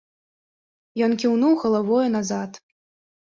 Ён кіўнуў галавою назад.